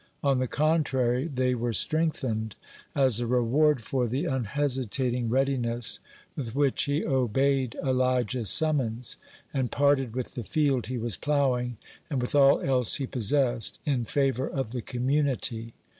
On the contrary, they were strengthened, as a reward for the unhesitating readiness with which he obeyed Elijah's summons, and parted with the field he was ploughing, and with all else he possessed, in favor of the community.